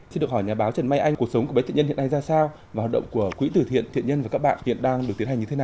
xin được hỏi nhà báo trần mai anh cuộc sống của bé thiện nhân hiện nay ra sao và hoạt động của quỹ tử thiện thiện nhân và các bạn hiện đang được tiến hành như thế nào ạ